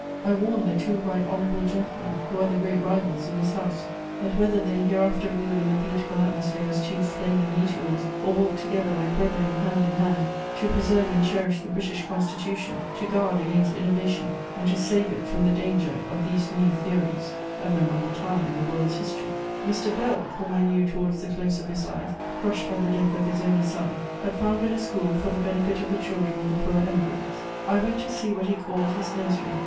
I warn the two right honourable gentlemen who are the great rivals in this House, that whether they hereafter move in the political atmosphere as two flaming meteors, or walk together like brethren hand in hand, to preserve and cherish the British Constitution, to guard against innovation, and to save it from the danger of these new theories." A memorable time in the world's history! [Illustration: Edmund Burke.] Mr. Burke, whom I knew towards the close of his life, crushed by the death of his only son, had founded a school for the benefit of the children of the poor Emigrants. I went to see what he called his "nursery."